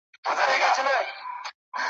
نه له چا سره وي توان د فکر کړلو ,